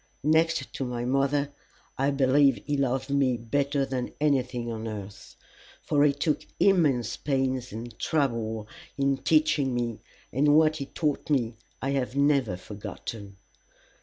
Next to my mother, I believe he loved me better than anything on earth, for he took immense pains and trouble in teaching me, and what he taught me I have never forgotten.